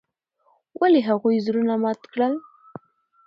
ولې هغوي زړونه مات کړل.